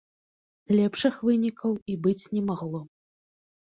Лепшых вынікаў і быць не магло.